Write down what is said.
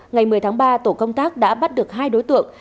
ngày một mươi tháng ba tổ công tác đã bắt được hai đối tượng